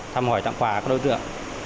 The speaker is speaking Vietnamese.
thăm hỏi tặng quà các đối tượng